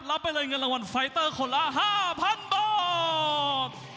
ไปเลยเงินรางวัลไฟเตอร์คนละ๕๐๐๐บาท